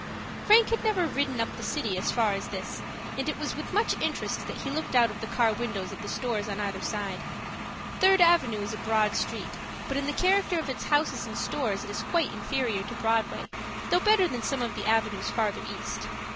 Frank had never ridden up the city as far as this, and it was with much interest that he looked out of the car windows at the stores on either side. Third Avenue is a broad street, but in the character of its houses and stores it is quite inferior to Broadway, though better than some of the avenues further east.